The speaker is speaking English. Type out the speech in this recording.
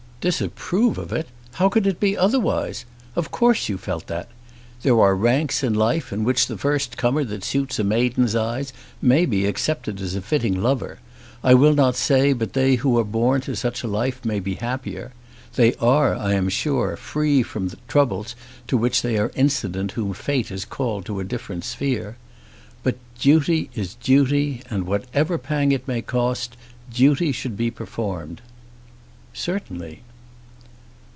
"Disapprove of it! How could it be otherwise? Of course you felt that. There are ranks in life in which the first comer that suits a maiden's eye may be accepted as a fitting lover. I will not say but that they who are born to such a life may be the happier. They are, I am sure, free from troubles to which they are incident whom fate has called to a different sphere. But duty is duty; and whatever pang it may cost, duty should be performed." "Certainly."